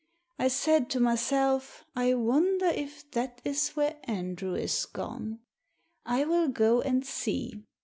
I said to myself, I wonder if that is where Andrew is gone. I will go and see.